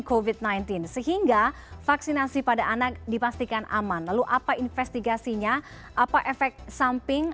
covid sembilan belas sehingga vaksinasi pada anak dipastikan aman lalu apa investigasinya apa efek samping